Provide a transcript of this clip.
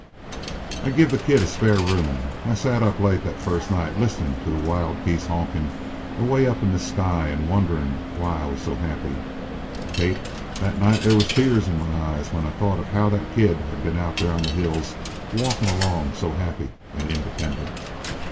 "I give the kid a spare room. I sat up late that first night listenin' to the wild geese honkin' away up in the sky an' wonderin' why I was so happy. Kate, that night there was tears in my eyes when I thought of how that kid had been out there on the hills walkin' along so happy an' independent.